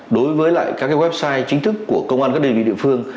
đối với lại các website chính thức của công an các đơn vị địa phương